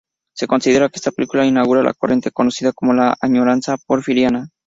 Se considera que esta película inaugura la corriente conocida como la "añoranza porfiriana".